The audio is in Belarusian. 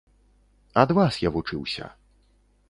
Ад вас я вучыўся.